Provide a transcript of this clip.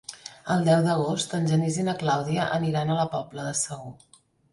El deu d'agost en Genís i na Clàudia aniran a la Pobla de Segur.